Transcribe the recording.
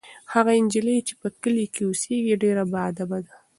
هغه نجلۍ چې په کلي کې اوسیږي ډېره باادبه ده.